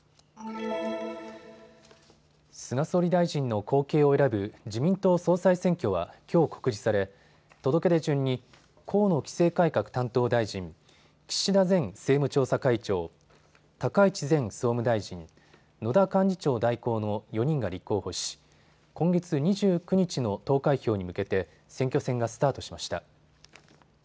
菅総理大臣の後継を選ぶ自民党総裁選挙はきょう告示され届け出順に河野規制改革担当大臣、岸田前政務調査会長、高市前総務大臣、野田幹事長代行の４人が立候補し、今月２９日の投開票に向けて選挙戦がスタートしました。